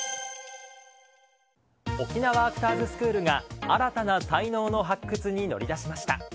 沖縄アクターズスクールが新たな才能の発掘に乗り出しました。